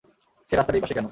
সে রাস্তার এই পাশে কেন?